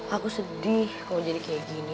aku sedih kamu jadi kayak gini